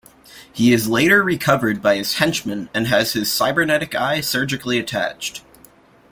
He is later recovered by his henchmen and has his cybernetic eye surgically attached.